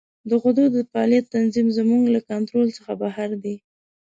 د غدو د فعالیت تنظیم زموږ له کنترول څخه بهر دی.